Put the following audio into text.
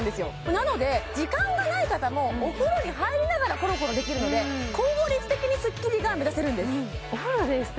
なので時間がない方もお風呂に入りながらコロコロできるので効率的にスッキリが目指せるんです